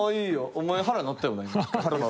お前腹鳴ったよな？